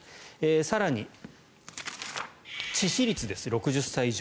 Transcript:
更に、致死率です６０歳以上。